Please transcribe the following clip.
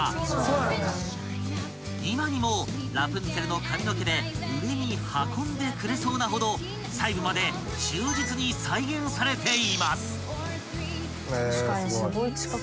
［今にもラプンツェルの髪の毛で上に運んでくれそうなほど細部まで忠実に再現されています］